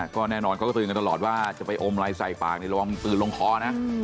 ก็แน่นอนเขาก็เตือนกันตลอดว่าจะไปอมอะไรใส่ปากในระวังตื่นลงคอนะ